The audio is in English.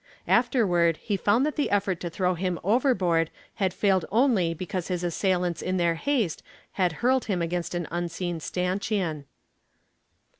Afterward he found that the effort to throw him overboard had failed only because his assailants in their haste had hurled him against an unseen stanchion.